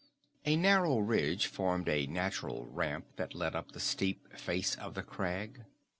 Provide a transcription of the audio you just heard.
A narrow ridge formed a natural ramp that led up the steep face of the crag.